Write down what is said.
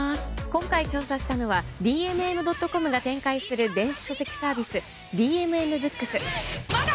今回調査したのは ＤＭＭ．ｃｏｍ が展開する電子書籍サービス ＤＭＭ ブックス